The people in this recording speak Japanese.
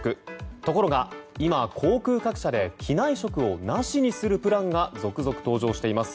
ところが今、航空各社で機内食をなしにするプランが続々登場しています。